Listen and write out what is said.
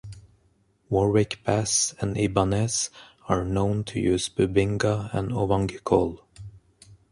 Warwick Bass and Ibanez are known to use Bubinga and Ovangkol.